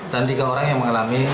dan tiga orang yang mengalami